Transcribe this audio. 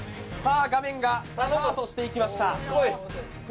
画面がスタートしていきました。